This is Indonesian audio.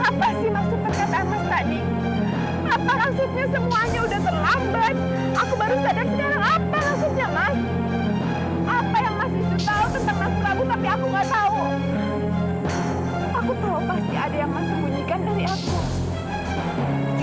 aku tahu pasti ada yang mas sembunyikan dari aku